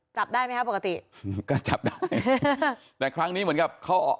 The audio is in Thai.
จับได้ไหมครับปกติก็จับได้แต่ครั้งนี้เหมือนกับเขาออก